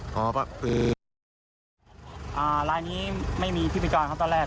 กดมิจาร์ครับตอนแรก